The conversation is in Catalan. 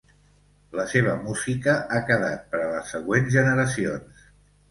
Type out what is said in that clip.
La seva música ha quedat per a les següents generacions.